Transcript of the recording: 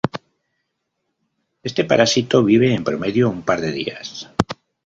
Este parásito vive en promedio un par de días.